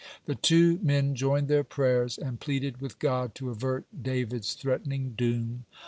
The two men joined their prayers, and pleaded with God to avert David's threatening doom.